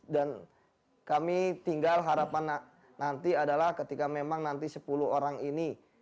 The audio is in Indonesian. dan kami tinggal harapan nanti adalah ketika memang nanti sepuluh orang ini